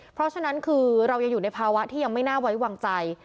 เพราะฉะนั้นคือเรายังอยู่ในภาวะที่ยังไม่น่าไว้วางใจ